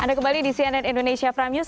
anda kembali di cnn indonesia prime news